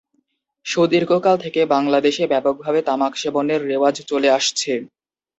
সুদীর্ঘকাল থেকে বাংলাদেশে ব্যাপকভাবে তামাক সেবনের রেওয়াজ চলে আসছে।